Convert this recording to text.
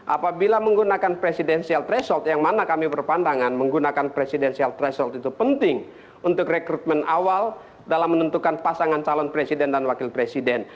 apabila menggunakan presidensial threshold yang mana kami berpandangan menggunakan presidensial threshold itu penting untuk rekrutmen awal dalam menentukan pasangan calon presiden dan wakil presiden